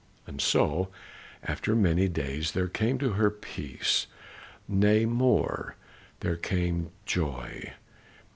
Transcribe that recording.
And so, after many days, there came to her peace; nay, more, there came joy.